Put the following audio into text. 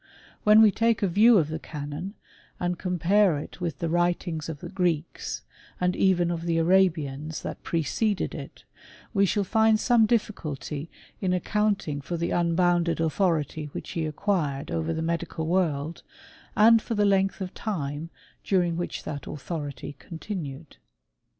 When we take a view of the Canon, and compare it with the writings of the Greeks, and even of the Arabians, that preceded it, we shall find some difiiculty in accounting for the unbounded authority which he acquired over the medical world, and for the length of time during which that authority continued.